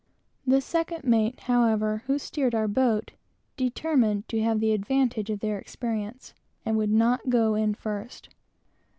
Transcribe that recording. The second mate, however, who steered our boat, determined to have the advantage of their experience, and would not go in first.